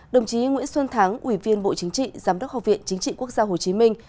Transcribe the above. đồng chí nguyễn xuân thắng ủy viên bộ chính trị giám đốc học viện chính trị quốc gia hồ chí minh